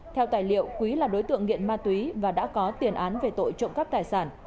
theo tài liệu quý là đối tượng nghiện ma túy và đã có tiền án về tội trộm cắp tài sản